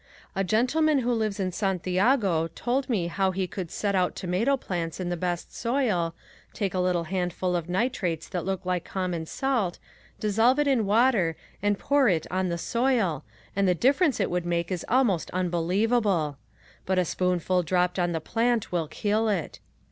A gentleman who lives in Santiago told me how he could set out tomato plants in the best soil, take a little handful of nitrates that look like common salt, dissolve it in water and pour it on the soil and the difference it would make is almost unbelievable. But a spoonful dropped on the plant will kill it.